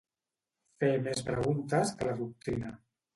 Fer més preguntes que la doctrina.